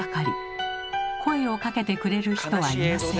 声をかけてくれる人はいません。